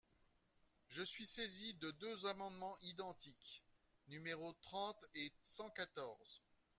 Je suis saisi de deux amendements identiques, numéros trente et cent quatorze.